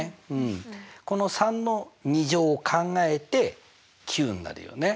この３の２乗を考えて９になるよね。